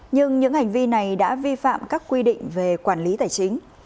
nhưng những hành vi này đã vi phạm các quy định về quản lý tài chính